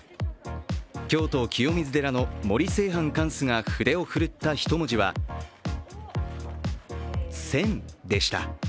京都、清水寺の森清範貫主が筆を振るった一文字は「戦」でした。